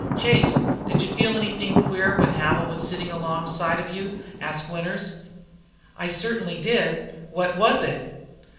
"Chase, did you feel anythin' queer when Havil was sittin' alongside of you?" asked Winters. "I certainly did. What was it?"